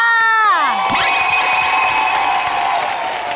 แม่งเกอร์